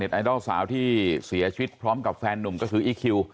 ไอดอลสาวที่เสียชีวิตพร้อมกับแฟนนุ่มก็คืออีคิว